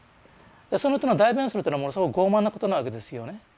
だからその人の代弁するっていうのはものすごく傲慢なことなわけですよね。